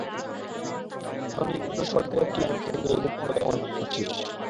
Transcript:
কোন নিগ্রো স্বর্গে তুই আমাকে নিয়ে যেতি বলে মনে করিস?